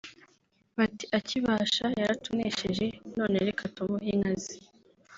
bati “Akibasha yaratunesheje none reka tumuhe inka ze